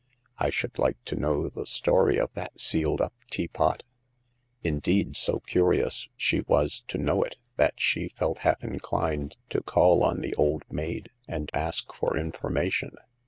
I should like to know the story of that sealed up teapot." Indeed, so curious she was to know it that she felt half inclined to call on the old maid, and ask for information.